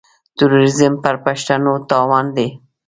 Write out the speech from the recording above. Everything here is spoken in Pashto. تروريزم پر پښتنو تاوان دی.